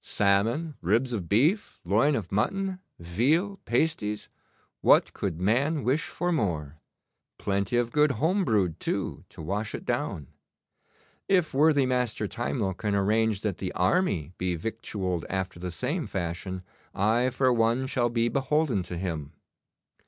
'Salmon, ribs of beef, loin of mutton, veal, pasties what could man wish for more? Plenty of good home brewed, too, to wash it down. If worthy Master Timewell can arrange that the army be victualled after the same fashion, I for one shell be beholden to him.